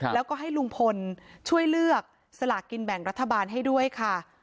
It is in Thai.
แล้วก็ให้ลุงพลช่วยเลือกสลากกินแบ่งรัฐบาลให้ด้วยค่ะ